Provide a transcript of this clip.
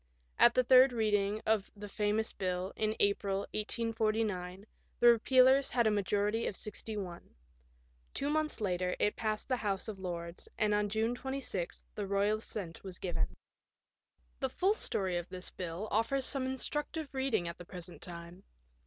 At the third reading of the famous bill, in April, 1849, the repealers had a majority of 61. Two months later it passed the House of Lords, and on June 26 the royal assent was given. The full story of this bill offers some instructive reading at the present time.